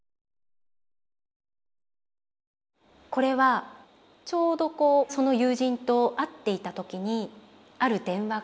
これはちょうどこうその友人と会っていた時にある電話があって。